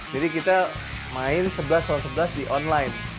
jadi kita main sebelas sebelas di online